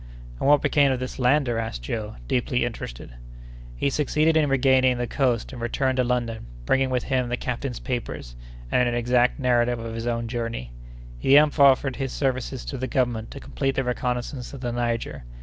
"And what became of this Lander?" asked Joe, deeply interested. "He succeeded in regaining the coast and returned to London, bringing with him the captain's papers, and an exact narrative of his own journey. He then offered his services to the government to complete the reconnoissance of the Niger.